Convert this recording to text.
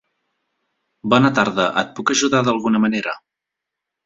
Bona tarda, et puc ajudar d'alguna manera?